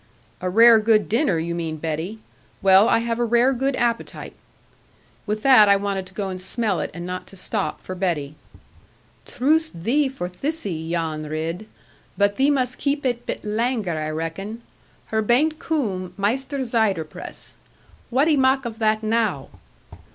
'A rare good dinner, you mean, Betty. Well, and I have a rare good appetite.' With that I wanted to go and smell it, and not to stop for Betty. 'Troost thee for thiccy, Jan Ridd. But thee must keep it bit langer, I reckon. Her baint coom, Maister Ziderpress. Whatt'e mak of that now?'